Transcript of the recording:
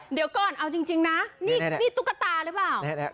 เดี๋ยวก่อนเอาจริงนะนี่ตุ๊กตาหรือเปล่า